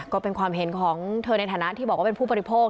ก็เป็นความเห็นของเธอในฐานะที่บอกว่าเป็นผู้บริโภค